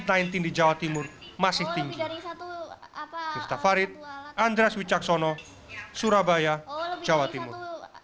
tain tinggi jawa timur masih tinggi dari satu apa apa farid andres wicaksono surabaya jawa timur